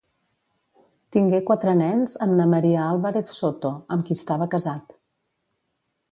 Tingué quatre nens amb na María Álvarez Soto, amb qui estava casat.